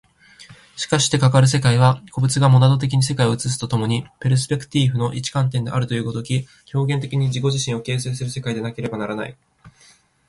しかしてかかる世界は、個物がモナド的に世界を映すと共にペルスペクティーフの一観点であるという如き、表現的に自己自身を形成する世界でなければならない。